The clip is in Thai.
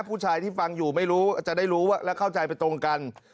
ผู้ชายที่ฟังอยู่ไม่รู้จะได้รู้ว่าและเข้าใจไปตรงกัน